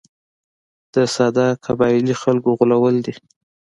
د ساده قبایلي خلکو غولول دي.